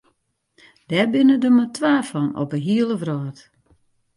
Dêr binne der mar twa fan op de hiele wrâld.